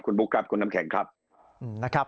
คุณบุ๊คครับคุณน้ำแข็งครับ